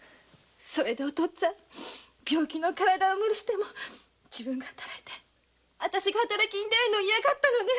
それで病気の体を無理しても自分が働いてあたしが働きに出るのを嫌がったのね。